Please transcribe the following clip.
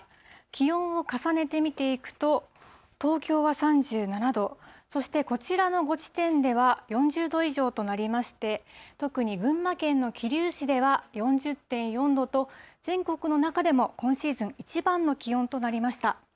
気温を重ねて見ていくと、東京は３７度、そして、こちらの５地点では、４０度以上となりまして、特に群馬県の桐生市では４０．４度と、全国の中でも今シーズン一番の気温となりました。